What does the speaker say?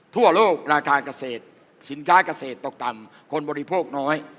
ทั่วโลกราคาเกษตรสินค้าเกษตรตกต่ำคนบริโภคน้อย